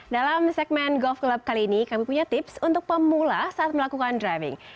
dalam segmen golf club kali ini kami punya tips untuk pemula saat melakukan driving